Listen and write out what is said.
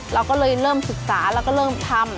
เราก็เลยเริ่มศึกษาแล้วก็เริ่มทำ